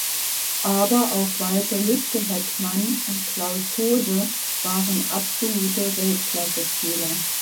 Aber auch Walter Lütgehetmann und Klaus Hose waren absolute Weltklassespieler.